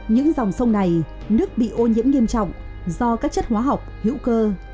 những dòng sông này nước bị ô nhiễm nghiêm trọng do các chất hóa học hữu cơ